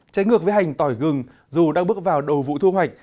trái ngược với hành tỏi gừng dù đang bước vào đầu vụ thu hoạch